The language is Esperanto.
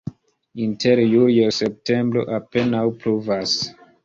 Inter julio-septembro apenaŭ pluvas.